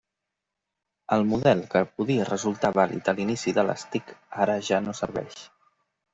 El model que podia resultar vàlid a l'inici de les TIC, ara ja no serveix.